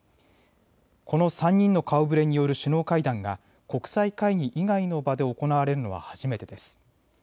この３人の顔ぶれによる首脳会談が国際会議以外の場で行われるのは初めてです。